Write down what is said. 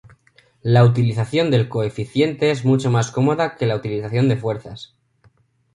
La utilización del coeficiente es mucho más cómoda que la utilización de fuerzas.